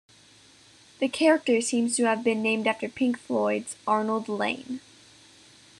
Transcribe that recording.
The character seems to have been named after Pink Floyd's Arnold Layne.